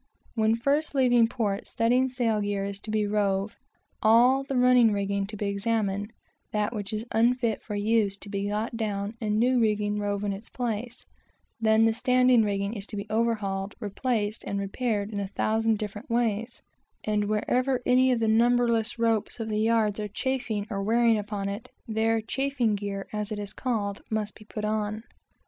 When first leaving port, studding sail gear is to be rove, all the running rigging to be examined, that which is unfit for use to be got down, and new rigging rove in its place: then the standing rigging is to be overhauled, replaced, and repaired, in a thousand different ways; and wherever any of the numberless ropes or the yards are chafing or wearing upon it, there "chafing gear," as it is called, must be put on.